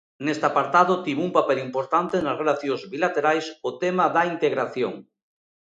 Neste apartado, tivo un papel importante nas relacións bilaterais o tema da integración.